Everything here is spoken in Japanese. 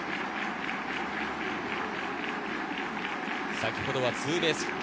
先ほどはツーベースヒット。